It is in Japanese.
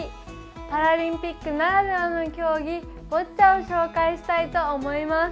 パラリンピックならではの競技ボッチャを紹介したいと思います。